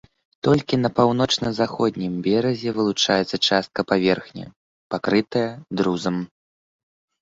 Толькі на паўночна-заходнім беразе вылучаецца частка паверхні, пакрытая друзам.